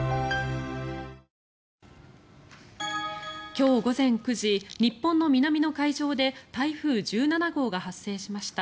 今日午前９時日本の南の海上で台風１７号が発生しました。